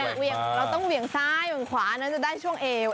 เราต้องเวียงซ้ายเวียงขวานั้นจะได้ช่วงเอว